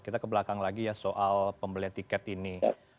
kita ke belakang lagi ya soal pembelian tiket ini